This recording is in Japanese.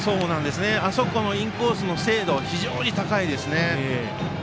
あのインコースの精度が非常に高いですね。